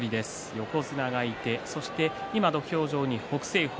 横綱がいてそして今、土俵上に北青鵬。